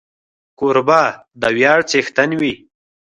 کوربه د ویاړ څښتن وي.